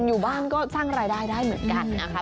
อยู่บ้านก็สร้างรายได้ได้เหมือนกันนะคะ